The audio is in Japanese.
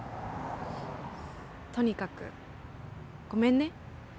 とにかく、ごめんね。